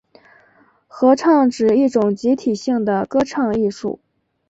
合唱指一种集体性的歌唱艺术。